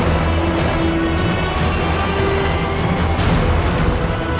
ayo kita pergi ke tempat yang lebih baik